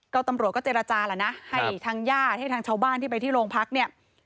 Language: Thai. ก็ตำรวจก็เจรจาแล้วนะให้ทางญาติให้ทางชาวบ้านที่ไปที่โรงพักเนี่ย